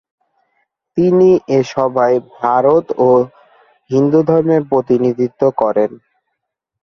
তিনি ওই সভায় ভারত ও হিন্দুধর্মের প্রতিনিধিত্ব করেন।